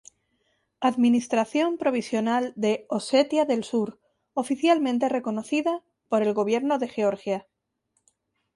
Administración Provisional de Osetia del Sur, oficialmente reconocida por el gobierno de Georgia.